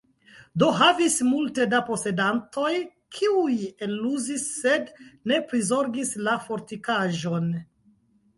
Do, havis multe da posedantoj, kiuj eluzis sed ne prizorgis la fortikaĵon.